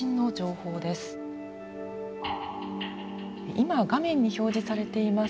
今画面に表示されています